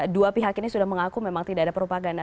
dua pihak ini sudah mengaku memang tidak ada propaganda